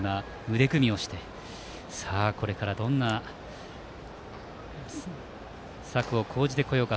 腕組みをして、さあこれからどんな策を講じてこようか。